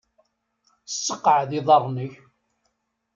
Sseqɛed iḍarren-nnek.